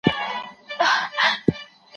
ايا بشري ټولني تکامل کوي؟